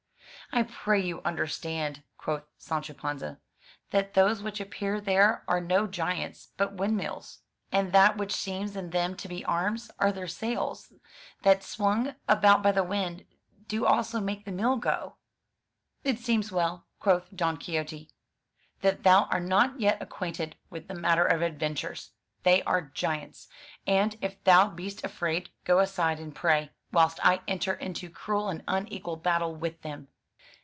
"I pray you understand," quoth Sancho Panza, "that those which appear there are no giants, but windmills. And that 92 FROM THE TOWER WINDOW 93 MY BOOK HOUSE which seems in them to be arms, are their sails, that, swung about by the wind, do also make the mill go." It seems well," quoth Don Quixote, "that thou art not yet acquainted with the matter of adventures. They are giants. And, if thou beest afraid, go aside and pray, whilst I enter into cruel and unequal battle with them."